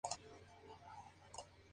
Jugó con Utah Stars y Spirits of St.